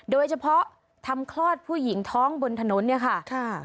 โดยเฉพาะทำคลอดผู้หญิงท้องบนถนนเนี่ยค่ะ